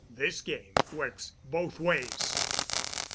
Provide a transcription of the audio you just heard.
"This game works both ways."